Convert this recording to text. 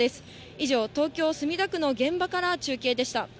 以上、東京・墨田区の現場から中継でした。